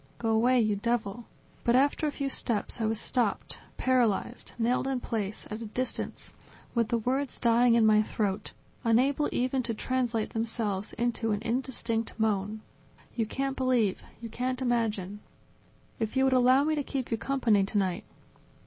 Go away, you devil! ..." But after a few steps I was stopped, paralyzed, nailed in place, at a distance, with the words dying in my throat, unable even to translate themselves into an indistinct moan ... You can't believe, you can't imagine ..." "If you would allow me to keep you company tonight